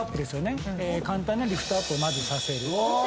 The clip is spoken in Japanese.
簡単なリフトアップをまずさせると。